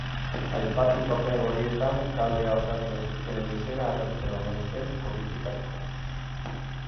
Aipatu paper horietan taldea osatzen zutenen izena agertzen omen zen kodifikatuta.